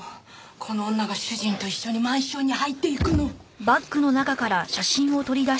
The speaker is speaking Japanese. この女が主人と一緒にマンションに入っていくのを。